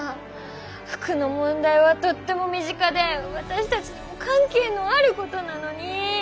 服の問題はとっても身近でわたしたちにもかんけいのあることなのに！